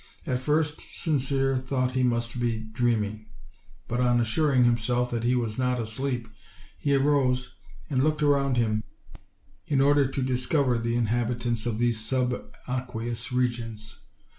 At first Sincere thought he must be dreaming; but on assuring himself that he was not asleep, he arose and looked around him, in order to dis cover the inhabitants of these subaqueous regions.